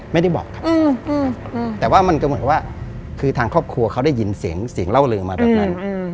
ไม่ได้บอกครับแต่ว่ามันก็เหมือนกับว่าคือทางครอบครัวเขาได้ยินเสียงเสียงเล่าลืมมาแบบนั้น